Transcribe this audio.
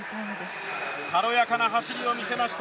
軽やかな走りを見せました